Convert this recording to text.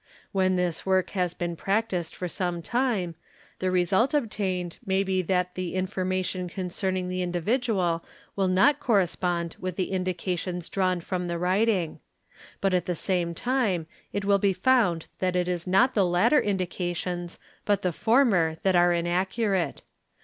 When this work has z been practised for some time the result obtained may be that the inform ation concerning the individual will not correspond with the indications drawn from the writing ; but at the same time it will be found that it is "not the latter indications but the former that are inaccurate.